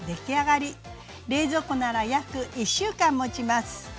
冷蔵庫なら約１週間もちます。